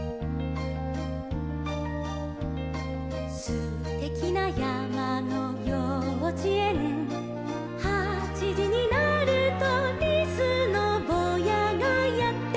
「すてきなやまのようちえん」「はちじになると」「リスのぼうやがやってきます」